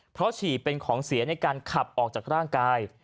เพราะฉี่เป็นของเสียในการขับออกจากร่างกาย